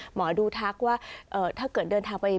หมอดูทักว่าถ้าเกิดเดินทางไปเมืองนอก